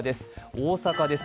大阪です。